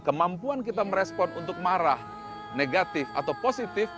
kemampuan kita merespon untuk marah negatif atau positif